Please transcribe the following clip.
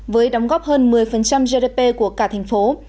với đóng góp hơn một mươi gdp của cả thành phố